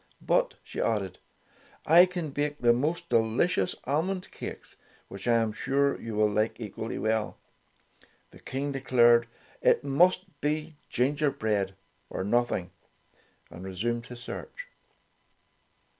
"But," she added, "I can bake the most delicious almond cakes, which I am sure you will like equally well." The King declared it must be ginger bread or nothing, and resumed his search.